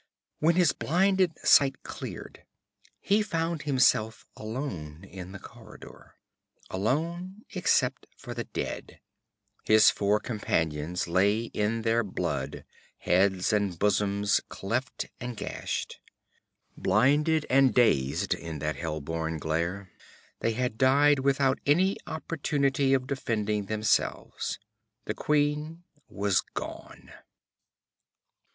When his blinded sight cleared, he found himself alone in the corridor alone except for the dead. His four companions lay in their blood, heads and bosoms cleft and gashed. Blinded and dazed in that hell born glare, they had died without an opportunity of defending themselves. The queen was gone.